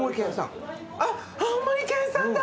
青森県産だ。